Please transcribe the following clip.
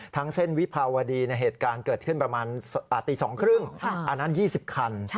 เส้นวิภาวดีเหตุการณ์เกิดขึ้นประมาณตี๒๓๐อันนั้น๒๐คัน